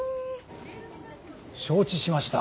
承知しました。